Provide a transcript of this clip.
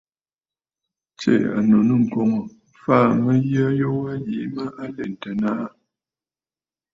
Tsiʼì ànnù nɨ̂ŋkoŋ, faà mə̀ yə yu wa yìi mə lèntə nàâ.